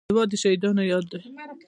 هېواد د شهیدانو یاد دی.